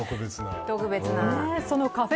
そのカフェ